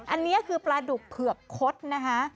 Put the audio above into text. อันนี้คือปลาดุกเผือกคดนะคะ